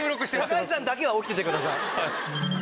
高橋さんだけは起きててください。